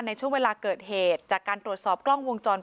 ในช่วงเวลาเกิดเหตุจากการตรวจสอบกล้องวงจร